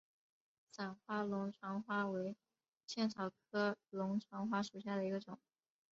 散花龙船花为茜草科龙船花属下的一个种。